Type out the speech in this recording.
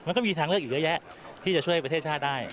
มันก็มีทางเลือกอีกเยอะแยะที่จะช่วยประเทศชาติได้